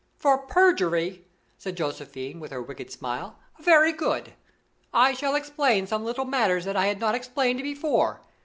"For perjury?" said Josephine, with her wicked smile. "Very good. I shall explain some little matters that I have not explained before.